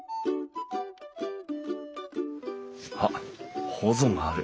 あっほぞがある。